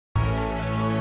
terserah kamu lah